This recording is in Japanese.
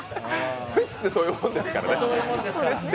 フェスってそういうもんですね。